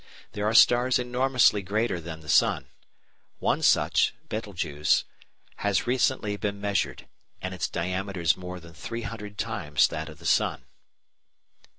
There are stars enormously greater than the sun. One such, Betelgeux, has recently been measured, and its diameter is more than 300 times that of the sun.